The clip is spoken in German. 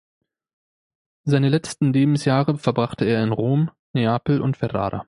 Seine letzten Lebensjahre verbrachte er in Rom, Neapel und Ferrara.